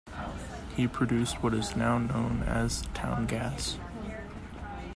He produced what is now known as town gas.